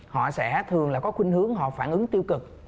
họ sẽ thường là có khuyên hướng họ phản ứng tiêu cực